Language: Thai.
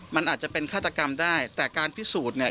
มันอาจจะเป็นฆาตกรรมได้แต่การพิสูจน์เนี่ย